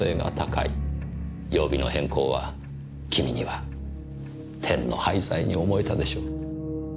曜日の変更は君には天の配剤に思えたでしょう。